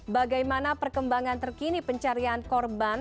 bagaimana perkembangan terkini pencarian korban